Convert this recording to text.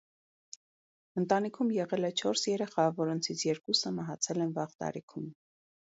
Ընտանիքում եղել է չորս երեխա, որոնցից երկուսը մահացել են վաղ տարիքում։